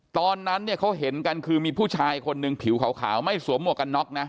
ตอนนั้นเนี่ยเขาเห็นกันคือมีผู้ชายคนหนึ่งผิวขาวไม่สวมหมวกกันน็อกนะ